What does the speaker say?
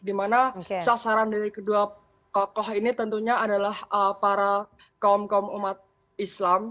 dimana sasaran dari kedua tokoh ini tentunya adalah para kaum kaum umat islam